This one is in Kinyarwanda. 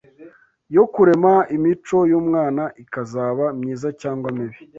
yo kurema imico y’umwana ikazaba myiza cyangwa mibi